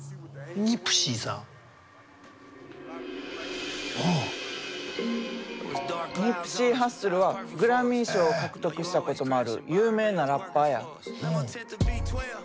ニプシー・ハッスルはグラミー賞を獲得したこともある有名なラッパーや。